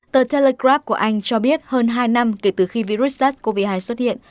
tờ telegrap của anh cho biết hơn hai năm kể từ khi virus sars cov hai xuất hiện